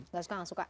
gak suka gak suka